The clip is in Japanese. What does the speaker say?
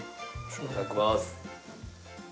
いただきます。